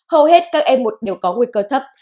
hầu hết các em một đều có nguy cơ thấp